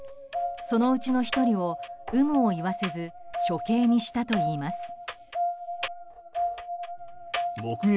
そのうちの１人を有無を言わせず処刑にしたといいます。